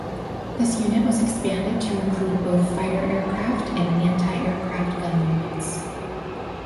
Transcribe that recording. This unit was expanded to include both fighter aircraft and antiaircraft gun units.